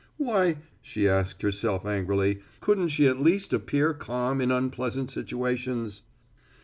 Why, she asked herself angrily, couldn't she at least appear calm in unpleasant situations!